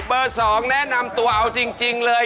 ๒แนะนำตัวเอาจริงเลย